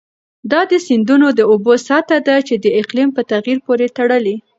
دا د سیندونو د اوبو سطحه ده چې د اقلیم په تغیر پورې تړلې.